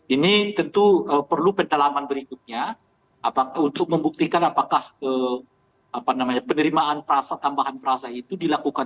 ini tentu perlu pendalaman berikutnya untuk membuktikan apakah penerimaan perasa tambahan perasa itu dilakukan